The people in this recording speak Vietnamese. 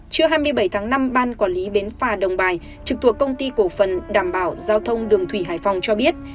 trưa hai mươi bảy tháng năm ban quản lý bến phà đồng bài trực thuộc công ty cổ phần đảm bảo giao thông đường thủy hải phòng cho biết